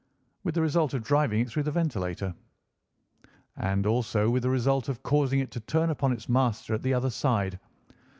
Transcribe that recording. "With the result of driving it through the ventilator." "And also with the result of causing it to turn upon its master at the other side.